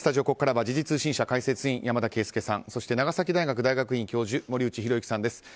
ここからは時事通信社解説委員山田惠資さんそして長崎大学大学院教授森内浩幸さんです。